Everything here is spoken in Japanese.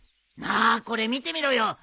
なあこれ見てみろよ。